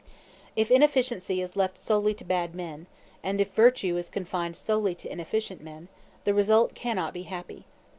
If efficiency is left solely to bad men, and if virtue is confined solely to inefficient men, the result cannot be happy.